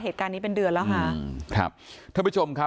เหตุการณ์นี้เป็นเดือนแล้วค่ะครับท่านผู้ชมครับ